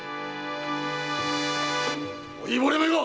老いぼれめが！